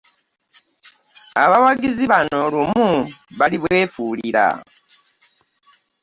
Abawagizi nano lumu balitweefulira.